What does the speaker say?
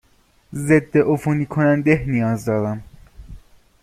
ضدعفونی کننده نیاز دارم.